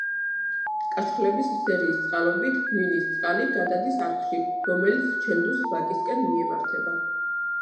კაშხლების სერიის წყალობით, მინის წყალი გადადის არხში, რომელიც ჩენდუს ვაკისკენ მიემართება.